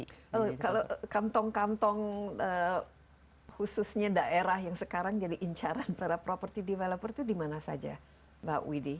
kalau kantong kantong khususnya daerah yang sekarang jadi incaran para property developer itu di mana saja mbak widhi